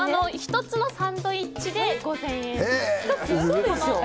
１つのサンドイッチで５０００円。